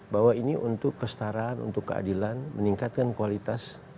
bahwa ini untuk kestaraan untuk keadilan meningkatkan kualitas